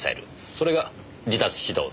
それが離脱指導です。